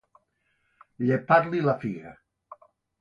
Llepar-li la figa.